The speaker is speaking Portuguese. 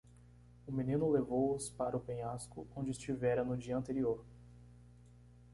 O menino levou-os para o penhasco onde estivera no dia anterior.